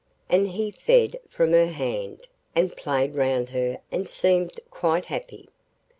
And he fed from her hand, and played round her and seemed quite happy.